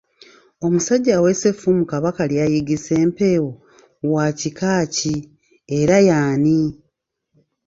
Omusajja aweesa effumu Kabaka lyayiggisa empeewo wa kika ki era y'ani?